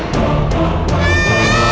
tidak ada yang bisa dipercaya